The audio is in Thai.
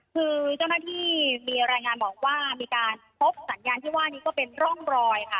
คือเจ้าหน้าที่มีรายงานบอกว่ามีการพบสัญญาณที่ว่านี้ก็เป็นร่องรอยค่ะ